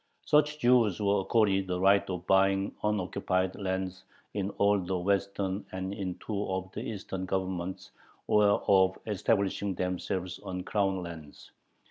Such Jews were accorded the right of buying unoccupied lands in all the western and in two of the eastern Governments, or of establishing themselves on crown lands.